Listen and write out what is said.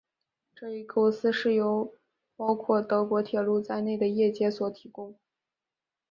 这一构思是由包括德国铁路在内的业界所提供。